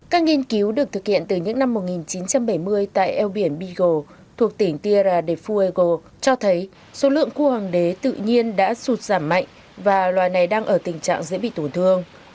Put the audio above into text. các nghiên cứu được thực hiện từ những năm một nghìn chín trăm bảy mươi tại eo biển bigo thuộc tỉnh tiara de fuego cho thấy số lượng cua hoàng đế tự nhiên đã sụt giảm mạnh và loài này đang ở tình trạng dễ bị tổn thương